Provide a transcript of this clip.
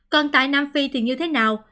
còn tại nam phi thì như thế nào